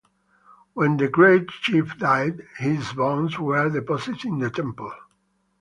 When the great chief died, his bones were deposited in the temple.